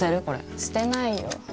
これ捨てないよ